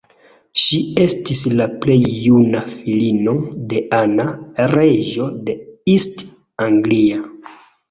Ŝi estis la plej juna filino de Anna, reĝo de East Anglia.